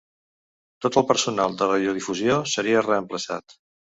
Tot el personal de radiodifusió seria reemplaçat.